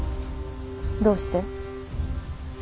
どうして。